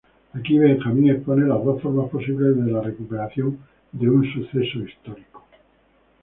Aquí Benjamin expone las dos formas posibles de recuperación de un evento histórico.